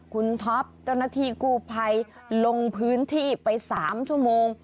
คุณท็อปเจ้าหน้าที่กู้ภัยลงพื้นที่ไป๓ชั่วโมง